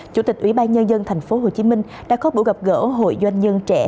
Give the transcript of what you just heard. chủ tịch ủy ban nhân dân tp hcm đã có buổi gặp gỡ hội doanh nhân trẻ